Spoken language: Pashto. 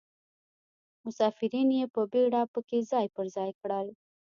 مسافرین یې په بیړه په کې ځای پر ځای کړل.